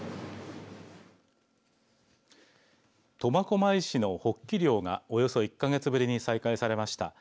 苫小牧市のホッキ漁がおよそ１か月ぶりに再開されました。